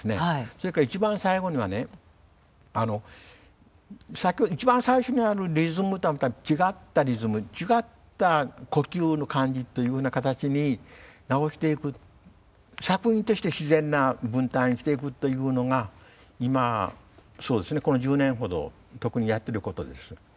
それから一番最後にはね一番最初にあるリズムとはまた違ったリズム違った呼吸の感じというふうな形に直していく作品として自然な文体にしていくというのが今そうですねこの１０年ほど特にやってることです。